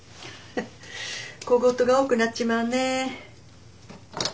小言が多くなっちまうね。